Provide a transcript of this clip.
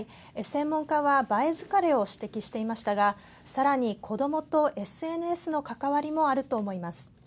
専門家は映え疲れを指摘していましたがさらに子どもとＳＮＳの関わりもあると思います。